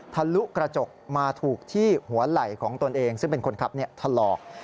ทะลุกระจกมาถูกที่หัวไหล่ของตนเองซึ่งเป็นคนขับถลอก